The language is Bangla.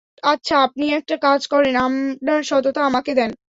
আচ্ছা আপনি একটা কাজ করেন, আপনার সততা আমাকে দেন।